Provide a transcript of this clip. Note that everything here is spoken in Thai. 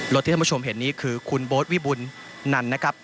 ที่ท่านผู้ชมเห็นนี้คือคุณโบ๊ทวิบุญนันนะครับ